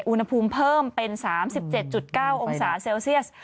อุณหภูมิเพิ่มเป็น๓๗๙องศาเซลเซียส